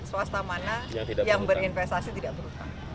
swasta mana yang berinvestasi tidak terutama